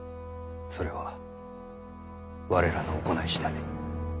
それは我らの行い次第。